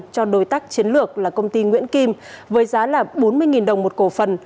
cho đối tác chiến lược là công ty nguyễn kim với giá là bốn mươi đồng một cổ phần